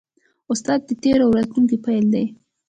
استاد د تېر او راتلونکي پل دی.